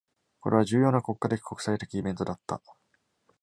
これは重要な国家的、国際的イベントだった。